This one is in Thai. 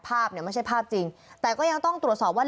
ภาพเนี่ยไม่ใช่ภาพจริงแต่ก็ยังต้องตรวจสอบว่า